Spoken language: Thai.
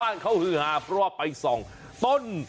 บ้านเขาฮือหาเพราะว่าไปส่องต้น